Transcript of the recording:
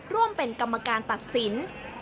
ร่วมเป็นกรรมการตัดสิน